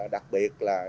đặc biệt là